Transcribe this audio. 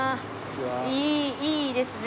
いいいいですね